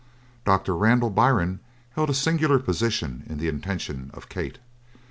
Doctor Randall Byrne held a singular position in the attention of Kate.